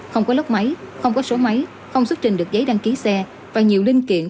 không có lốc máy không có số máy không xuất trình được giấy đăng ký xe và nhiều linh kiện